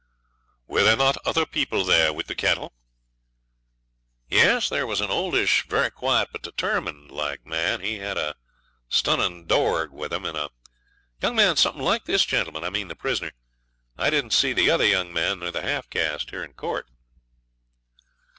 'Were there not other people there with the cattle?' 'Yes; there was an oldish, very quiet, but determined like man he had a stunnin' dorg with him and a young man something like this gentleman I mean the prisoner. I didn't see the other young man nor the half caste in court.'